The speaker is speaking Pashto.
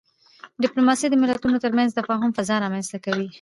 ډيپلوماسي د ملتونو ترمنځ د تفاهم فضا رامنځته کوي.